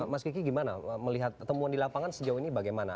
mas kiki gimana melihat temuan di lapangan sejauh ini bagaimana